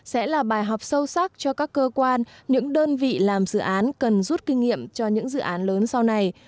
sẽ là bài học sâu sắc cho các cơ quan những đơn vị làm dự án cần rút kinh nghiệm cho những dự án lớn sau này